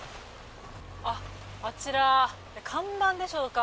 あちら、看板でしょうか。